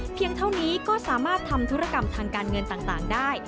เท่านี้ก็สามารถทำธุรกรรมทางการเงินต่างได้